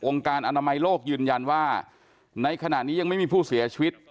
การอนามัยโลกยืนยันว่าในขณะนี้ยังไม่มีผู้เสียชีวิต